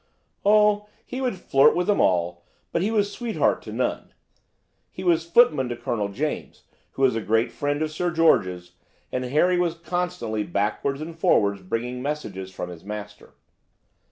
"Oh, he would flirt with them all, but he was sweetheart to none. He was footman to Colonel James, who is a great friend of Sir George's, and Harry was constantly backwards and forwards bringing messages from his master.